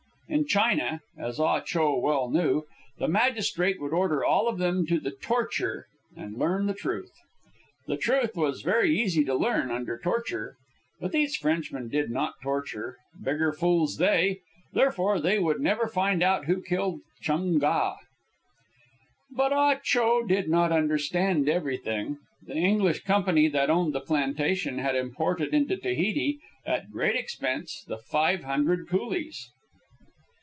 In China, as Ah Cho well knew, the magistrate would order all of them to the torture and learn the truth. The truth was very easy to learn under torture. But these Frenchmen did not torture bigger fools they! Therefore they would never find out who killed Chung Ga. But Ah Cho did not understand everything. The English Company that owned the plantation had imported into Tahiti, at great expense, the five hundred coolies.